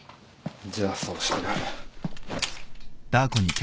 じゃあそうしてやる。